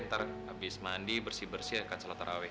ntar habis mandi bersih bersih akan sholat terawih